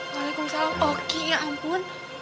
waalaikumsalam oki ya ampun